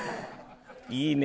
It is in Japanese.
いいね